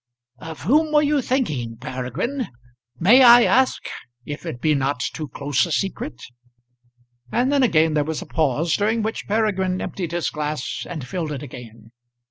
"Of whom were you thinking, Peregrine? May I ask if it be not too close a secret?" And then again there was a pause, during which Peregrine emptied his glass and filled it again.